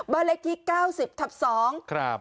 บ้านเลขที่๙๐ทับ๒